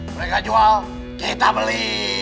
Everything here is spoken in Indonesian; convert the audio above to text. mereka jual kita beli